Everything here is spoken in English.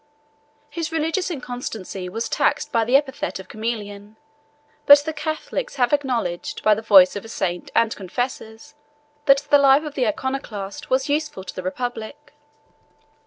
His religious inconstancy was taxed by the epithet of Chameleon, but the Catholics have acknowledged by the voice of a saint and confessors, that the life of the Iconoclast was useful to the republic.